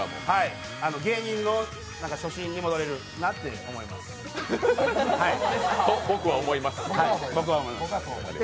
芸人の初心に戻れるなって思います、僕は思います。